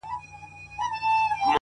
ما خپل گڼي اوس يې لا خـپـل نه يـمه”